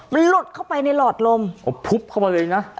มันหลุดเข้าไปในหลอดลมเอาพุบเข้ามาเลยนะ